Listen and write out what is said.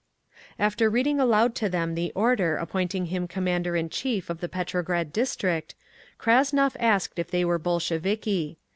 After reading aloud to them the order appointing him commander in chief of the Petrograd District, Krasnov asked if they were Bolsheviki.